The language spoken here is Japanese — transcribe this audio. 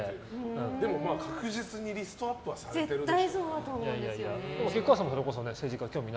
でも確実にリストアップはされてるでしょ。